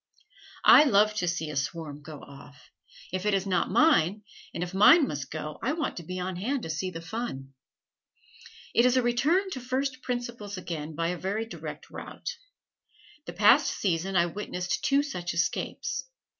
I love to see a swarm go off if it is not mine, and if mine must go I want to be on hand to see the fun. It is a return to first principles again by a very direct route. The past season I witnessed two such escapes.